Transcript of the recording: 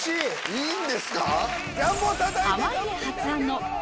いいんですか？